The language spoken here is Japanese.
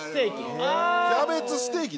キャベツステーキ？